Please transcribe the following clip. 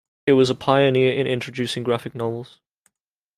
It was pioneer in introducing graphic novels.